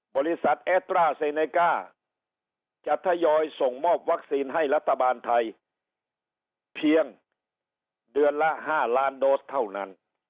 บริษัทเอสตราเซเนก้าจะทยอยส่งมอบวัคซีนให้รัฐบาลไทยเพียงเดือนละ๕ล้านโดสเท่านั้น